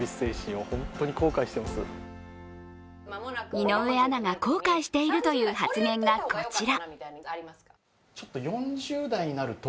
井上アナが後悔しているという発言がこちら。